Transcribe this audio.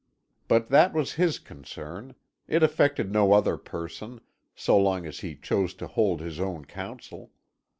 But that was his concern; it affected no other person, so long as he chose to hold his own counsel.